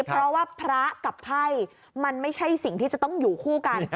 เพราะว่าพระกับไพ่มันไม่ใช่สิ่งที่จะต้องอยู่คู่กัน